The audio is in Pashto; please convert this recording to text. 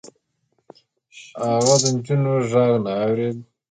هغوی د نجونو غږ نه اورېد.